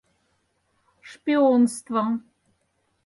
Шпионство!